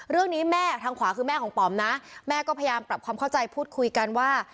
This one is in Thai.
เรื่องนี้แม่ทางขวาคือแม่ของป๋อมนะแม่ก็พยายามปรับความเข้าใจพูดคุยกันว่า